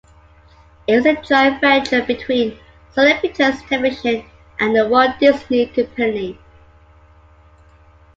It is a joint venture between Sony Pictures Television and The Walt Disney Company.